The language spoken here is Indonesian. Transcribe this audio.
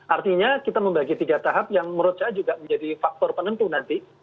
artinya kita membagi tiga tahap yang menurut saya juga menjadi faktor penentu nanti